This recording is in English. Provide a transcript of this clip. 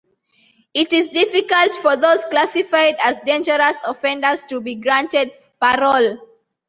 It is difficult for those classified as dangerous offenders to be granted parole.